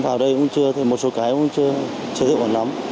vào đây một số cái cũng chưa được hoàn lắm